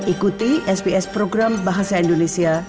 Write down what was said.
ikuti sps program bahasa indonesia